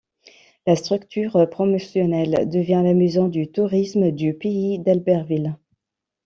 La structure promotionnelle devient la Maison du Tourisme du Pays d'Albertville.